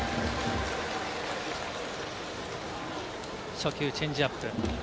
初球、チェンジアップ。